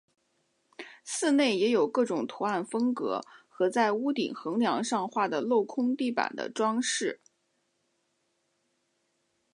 寺内也有各种图案风格和在屋顶横梁上画的镂空地板的装饰。